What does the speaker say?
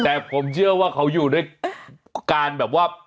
แต่ผมเชื่อว่าเขาอยู่ด้วยการแบบว่า